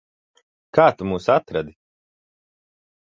Kā tu mūs atradi?